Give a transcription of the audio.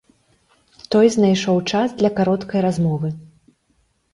Той знайшоў час для кароткай размовы.